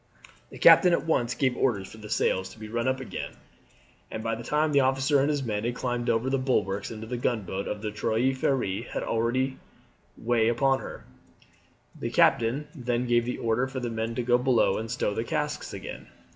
The captain at once gave orders for the sails to be run up again, and by the time the officer and his men had climbed over the bulwarks into the gunboat the Trois Freres had already way upon her. The captain then gave the order for the men to go below and stow the casks again.